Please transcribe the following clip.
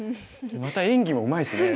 また演技もうまいですね。